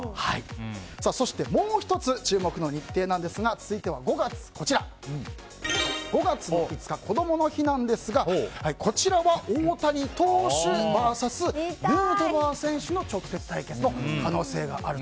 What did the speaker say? そしてもう１つ、注目の日程が５月５日、こどもの日ですがこちらは大谷投手ＶＳヌートバー選手の直接対決の可能性があると。